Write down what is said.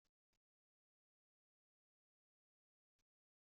Tanemmirt nnwen ad ur tekmim!